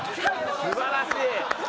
素晴らしい！